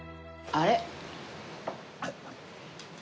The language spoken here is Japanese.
あれ？